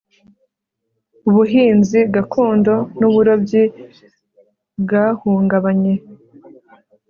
ubuhinzi gakondo n'uburobyi bwahungabanye